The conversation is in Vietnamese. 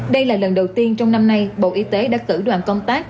đây là lần đầu tiên trong năm nay bộ y tế đã cử đoàn công tác